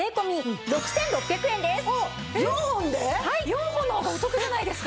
４本の方がお得じゃないですか！